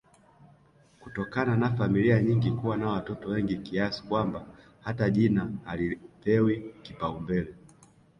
kutokana na familia nyingi kuwa na wototo wengi kiasi kwamba hata jina halipewi kipaumbele